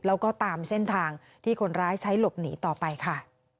แล้วก็ตามเส้นทางที่คนร้ายใช้หลบหนีต่อไปค่ะ